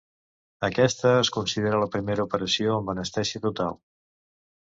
Aquesta es considera la primera operació amb anestèsia total.